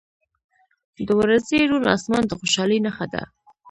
• د ورځې روڼ آسمان د خوشحالۍ نښه ده.